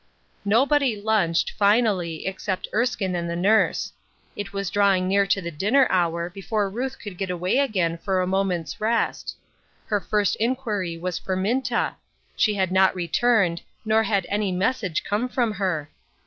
Nobody lunched, finally, except Erskine and the nurse. It was drawing near to the dinner hour before Ruth could get away again for a moment's rest. Her first inquiry was for Minta ; she had not returned, nor had any message come from her.